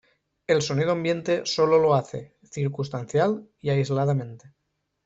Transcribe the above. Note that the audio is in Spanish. El sonido ambiente sólo lo hace circunstancial y aisladamente.